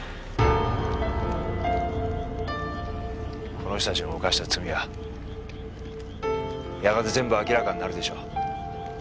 この人たちの犯した罪はやがて全部明らかになるでしょう。